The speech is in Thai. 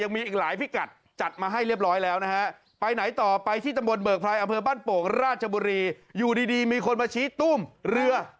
อำเภอบ้านโป่งราชบุรีอยู่ดีมีคนมาชี้ตุ้มเรือ